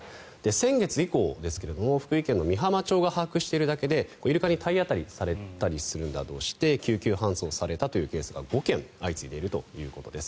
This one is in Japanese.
先月以降ですが福井県の美浜町が把握しているだけでイルカに体当たりされたりするなどして救急搬送されたというケースが５件相次いでいるということです。